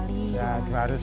kenapa tidak setiap hari pak